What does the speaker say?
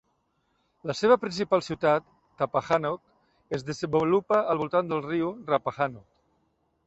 La seva principal ciutat, Tappahanock, es desenvolupa al voltant del riu Rappahanock.